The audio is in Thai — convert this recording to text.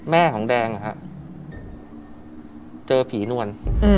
แม่ของแดงนะครับเจอผีนวล